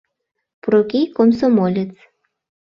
Проки — комсомолец.